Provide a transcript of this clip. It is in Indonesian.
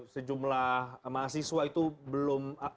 sejumlah mahasiswa itu belum